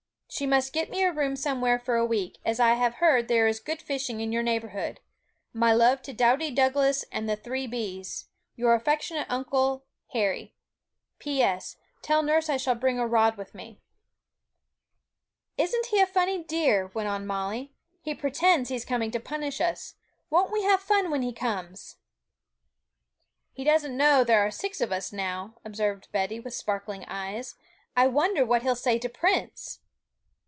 She must get me a room somewhere for a week, as I have heard there is good fishing in your neighbourhood. My love to doughty Douglas and the three B's. 'Your affectionate uncle, 'HARRY. 'P.S. Tell nurse I shall bring a rod with me.' 'Isn't he a funny dear?' went on Molly. 'He pretends he's coming to punish us! Won't we have fun when he comes!' 'He doesn't know there are six of us now,' observed Betty, with sparkling eyes; 'I wonder what he will say to Prince.'